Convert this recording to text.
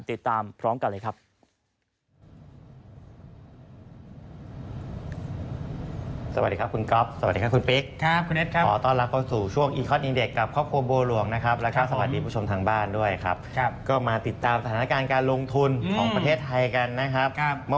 ติดตามพร้อมกันเลยครับ